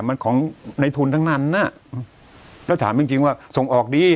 มันของในทุนทั้งนั้นน่ะแล้วถามจริงจริงว่าส่งออกดี